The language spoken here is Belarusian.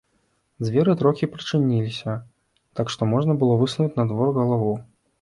Дзверы трохі прачыніліся, так што можна было высунуць на двор галаву.